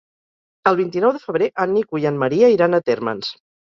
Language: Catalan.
El vint-i-nou de febrer en Nico i en Maria iran a Térmens.